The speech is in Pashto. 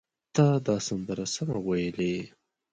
تا دا سندره سمه وویلې!